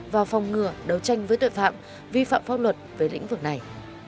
và phòng ngừa đấu tranh với tội phạm vi phạm pháp luật về lĩnh vực này